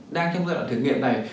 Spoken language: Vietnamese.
đang trong giai đoạn thử nghiệm này